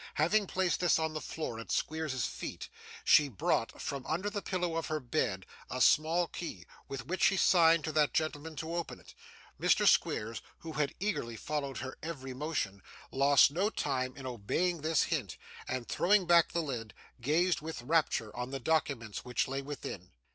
Having placed this on the floor at Squeers's feet, she brought, from under the pillow of her bed, a small key, with which she signed to that gentleman to open it. Mr. Squeers, who had eagerly followed her every motion, lost no time in obeying this hint: and, throwing back the lid, gazed with rapture on the documents which lay within.